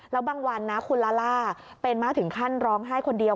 แล้วบางวันนะคุณลาล่าเป็นมากถึงขั้นร้องไห้คนเดียว